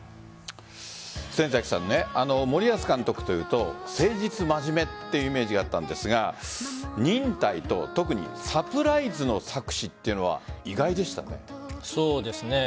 先崎さん、森保監督というと誠実、真面目というイメージがあったんですが忍耐と特にサプライズの策士というのはそうですね。